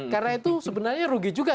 karena itu sebenarnya rugi juga